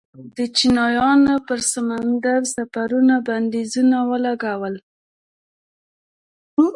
د چینایانو پر سمندري سفرونو بندیزونه ولګول.